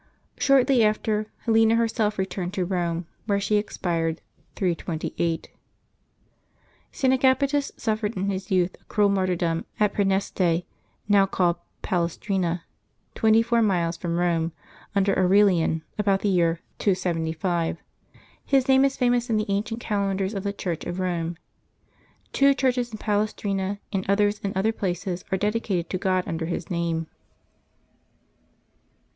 Shortly after, Helena herself returned to Rome, where she expired, 328. St. Agapetus suffered in his youth a cruel martyrdom at Prsenest^, now called Palestrina, twenty four miles from Rome, under Aurelian, about the year 275. His name is famous in the ancient calendars of the Church of Rome. Two churches in Palestrina and others in other places are dedicated to God under his name.